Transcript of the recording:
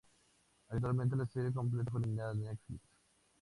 Actualmente la serie completa fue eliminada de Netflix.